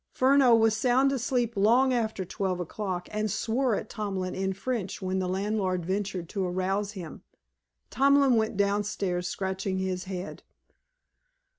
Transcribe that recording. Furneaux was sound asleep long after twelve o'clock, and swore at Tomlin in French when the landlord ventured to arouse him. Tomlin went downstairs scratching his head.